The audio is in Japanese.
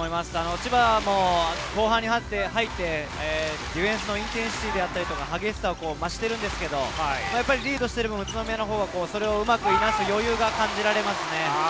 千葉も後半に入って、ディフェンスのインテンシブとか激しさも増しているんですが、リードしている分、宇都宮のほうがうまく出す余裕を感じられますね。